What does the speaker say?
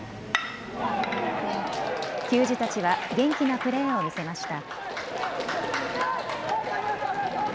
球児たちは元気なプレーを見せました。